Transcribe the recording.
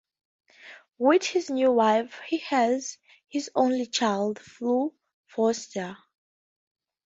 With his new wife, he has his only child, Fleur Forsyte.